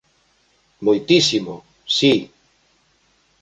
Moitísimo. Si.